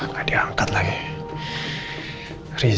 tadi angkat lagi riza